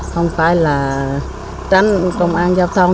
không phải là tránh công an giao thông